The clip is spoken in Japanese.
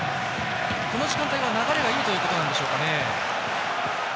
この時間帯は流れがいいということなんでしょうかね。